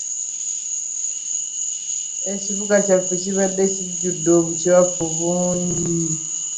Ekibuga kyaffe kyaffe kibadde kijjudde obukyafu bungi.